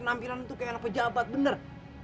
nampilan itu kayak anak pejabat bener